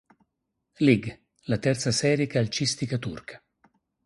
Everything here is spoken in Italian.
Lig, la terza serie calcistica turca.